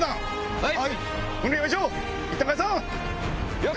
はい！